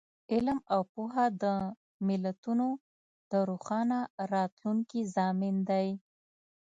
علم او پوهه د ملتونو د روښانه راتلونکي ضامن دی.